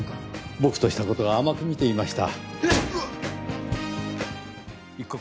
僕とした事が甘く見ていました。